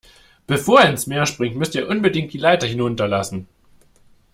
Bevor ihr ins Meer springt, müsst ihr unbedingt die Leiter hinunterlassen.